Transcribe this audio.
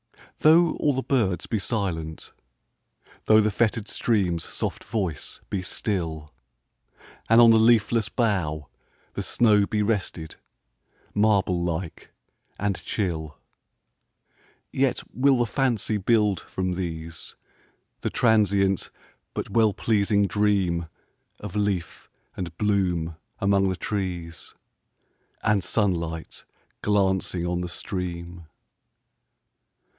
Though all the birds be silent,—thoughThe fettered stream's soft voice be still, And on the leafless bough the snowBe rested, marble like and chill,—Yet will the fancy build, from these, The transient but well pleasing dreamOf leaf and bloom among the trees, And sunlight glancing on the stream.